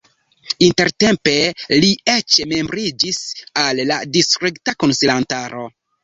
Intertempe li eĉ membriĝis al la distrikta konsilantaro.